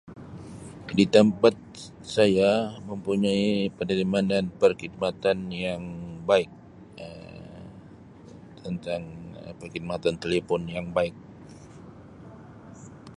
Di tempat sa-saya mempunyai penerimaan perkhidmatan yang baik Um tentang perkhidmatan telipon yang baik.